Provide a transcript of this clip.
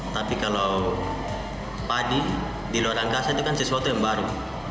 tapi kalau padi di luar angkasa itu kan sesuatu yang baru